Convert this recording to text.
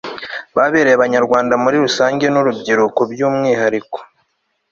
babereye abanyarwanda muri rusange n'urubyiruko by'umwihariko